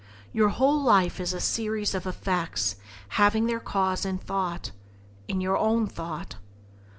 Your whole life is a series of effects having their cause in thought — in your own thought.